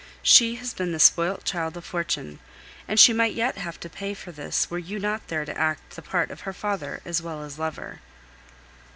She has been the spoilt child of fortune, and she might yet have to pay for this were you not there to act the part of father as well as lover."